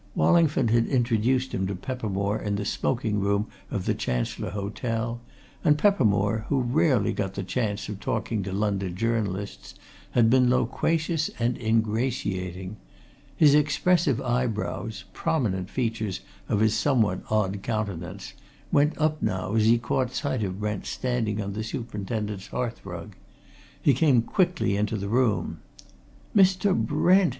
Wallingford had introduced him to Peppermore in the smoking room of the Chancellor Hotel, and Peppermore, who rarely got the chance of talking to London journalists, had been loquacious and ingratiating. His expressive eyebrows prominent features of his somewhat odd countenance went up now as he caught sight of Brent standing on the superintendent's hearth rug. He came quickly into the room. "Mr. Brent!"